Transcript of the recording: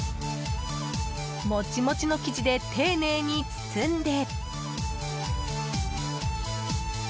モチモチの生地で丁寧に包んで。